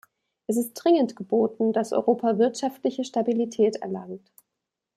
Es ist dringend geboten, dass Europa wirtschaftliche Stabilität erlangt.